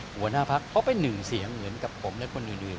หัวหน้าพักเขาเป็นหนึ่งเสียงเหมือนกับผมและคนอื่น